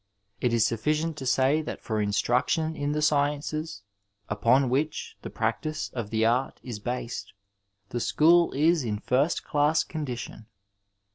It is sufficient to say that for instnic tion in the sciences, «pon which the piactice of the ait is based, the school is in fizst class ccmdition.